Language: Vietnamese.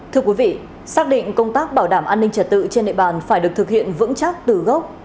thưa quý vị xác định công tác bảo đảm an ninh trật tự trên địa bàn phải được thực hiện vững chắc từ gốc là địa bàn cấp xã